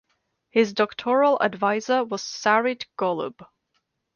His doctoral advisor was Sarit Golub.